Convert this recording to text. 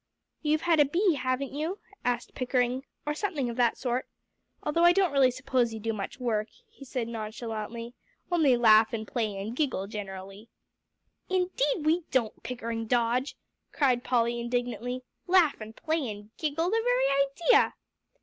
"You've had a bee, haven't you," asked Pickering, "or something of that sort? Although I don't really suppose you do much work," he said nonchalantly, "only laugh and play and giggle, generally." "Indeed we don't, Pickering Dodge," cried Polly indignantly, "laugh and play and giggle, the very idea!"